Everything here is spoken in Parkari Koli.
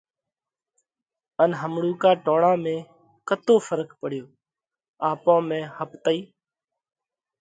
ان همڻُوڪا ٽوڻا ۾ ڪتو ڦرق پڙيوه؟ آپون ۾ ۿپتئِي